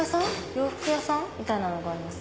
洋服屋さんみたいなのがあります。